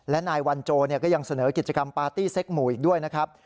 และนายวันโจก็ยังเสนอกิจกรรมปาร์ตี้เซ็กหมู่อีกด้วยนะครับ